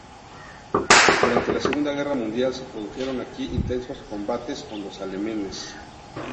Durante la Segunda Guerra Mundial se produjeron aquí intensos combates con los alemanes.